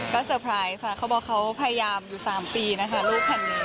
ก็เตอร์ไพรส์ค่ะเขาบอกเขาพยายามอยู่๓ปีนะคะลูกคันนี้